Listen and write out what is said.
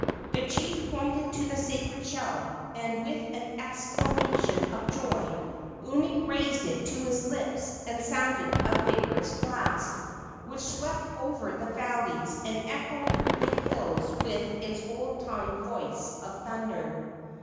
The chief pointed to the sacred shell, and with an exclamation of joy Umi raised it to his lips and sounded a vigorous blast, which swept over the valleys and echoed through the hills with its old time voice of thunder.